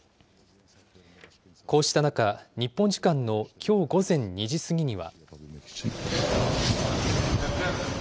こうした中、日本時間のきょう午前２時過ぎには。